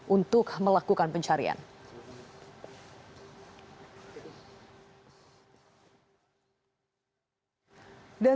untuk melakukan pencarian